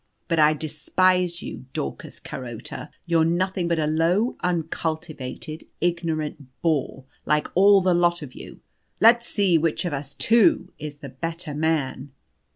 But I despise you, Daucus Carota. You're nothing but a low, uncultivated, ignorant Boor, like all the lot of you. Let's see which of us two is the better man."